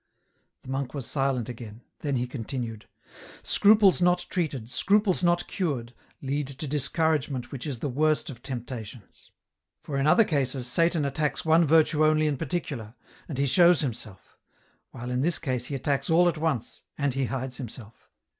The monk was silent again ; then he continued, " Scruples not treated, scruples not cured, lead to dis couragement which is the worst of temptations ; for in other cases Satan attacks one virtue only in particular, and he shows himself ; while in this case he attacks all at once, and he hides himself.